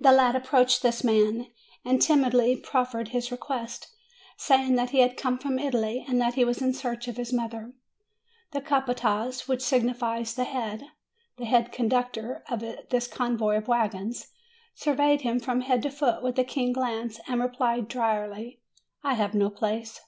The lad approached this man, and timidly proffered his request, saying that he had come from Italy, and that he was in search of his mother. The capataz, which signifies the head (the head con ductor of this convoy of wagons), surveyed him from head to foot with a keen glance, and replied drily, "I have no place."